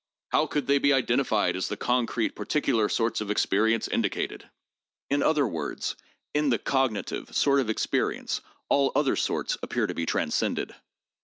How could they be identified as the concrete, particular sorts of experience indicated ? In other words, in the cognitive sort of experience all other sorts appear to be transcended.